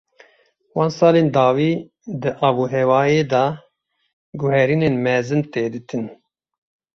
Van salên dawî di avûhewayê de guherînên mezin tê dîtin.